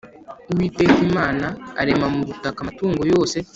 Uwiteka Imana irema mu butaka amatungo yose